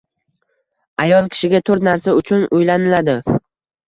Ayol kishiga toʻrt narsa uchun uylaniladi.